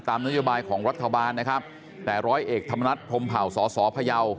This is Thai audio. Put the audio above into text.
นโยบายของรัฐบาลนะครับแต่ร้อยเอกธรรมนัฐพรมเผ่าสสพยาว